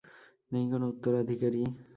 নেই কোন উত্তরাধিকারী।